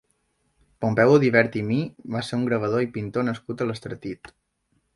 Pompeu Audivert i Mir va ser un gravador i pintor nascut a l'Estartit.